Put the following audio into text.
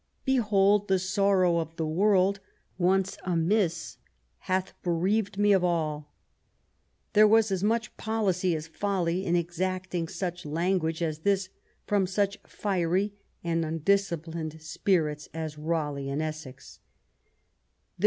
Behold the sorrow of the world ! Once amiss hath bereaved me of all/' There was as much policy as folly in exacting such language as this from such fiery and undisciplined spirits as Raleigh and Essex.